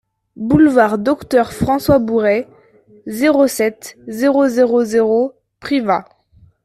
Boulevard Docteur François Bourret, zéro sept, zéro zéro zéro Privas